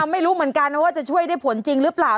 ไม่รู้เหมือนกันนะว่าจะช่วยได้ผลจริงหรือเปล่า